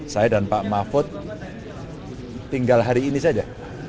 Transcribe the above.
saya dan pak mahfud tinggal hari ini saja